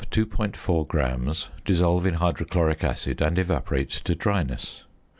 4 grams, dissolve in hydrochloric acid, and evaporate to dryness.